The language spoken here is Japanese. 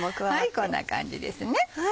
こんな感じですね。